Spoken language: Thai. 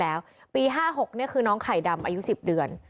แล้วปีห้าหกเนี่ยคือน้องไข่ดำอายุสิบเดือน